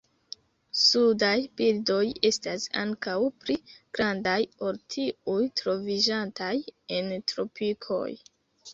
Sudaj birdoj estas ankaŭ pli grandaj ol tiuj troviĝantaj en tropikoj.